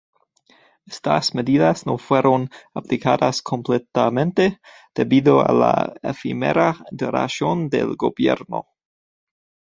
Estas medidas no fueron aplicadas completamente, debido a la efímera duración del gobierno.